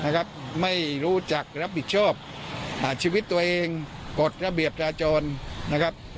นะครับไม่รู้จักรับบิจชอบหาชีวิตตัวเองกดระเบียบตาจนนะครับ